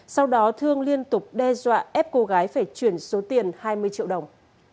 sau đó thương liên tục đe dọa ép cô gái phải chuyển số tiền hai mươi triệu đồng